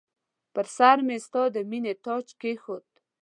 پر سرمې ستا د مییني تاج کښېښود